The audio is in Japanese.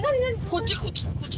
こっちこっち